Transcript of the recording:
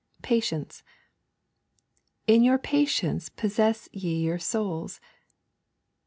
PATIENCE 'In your patience possess ye your souls.'